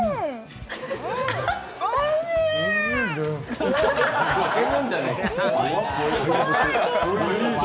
おいしいね。